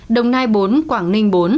đồng nai bốn quảng ninh bốn